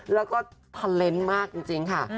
และก็ทัลเลนส์มากจริงค่ะ